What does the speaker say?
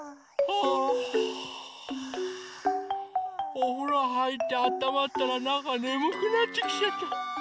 おふろはいってあったまったらなんかねむくなってきちゃった。